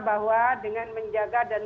bahwa dengan menjaga dan